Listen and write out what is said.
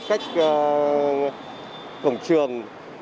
cách cổng trường